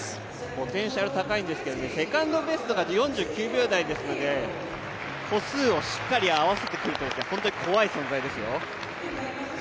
ポテンシャル高いんですけど、セカンドベストが４９秒台ですので歩数をしっかり合わせてくると本当に怖い存在ですよ。